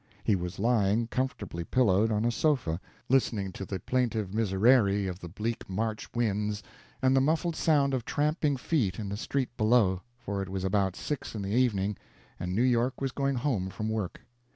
He was lying, comfortably pillowed, on a sofa, listening to the plaintive Miserere of the bleak March winds and the muffled sound of tramping feet in the street below for it was about six in the evening, and New York was going home from work.